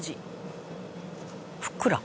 ふっくら？」